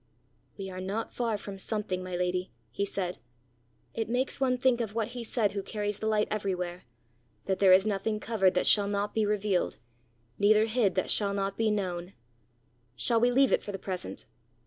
"We are not far from something, my lady!" he said. "It makes one think of what He said who carries the light everywhere that there is nothing covered that shall not be revealed, neither hid that shall not be known. Shall we leave it for the present?"